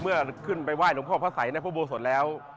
เมื่อขึ้นไปไหว้หลวงพ่อพระสัยในพระโบสถแล้ว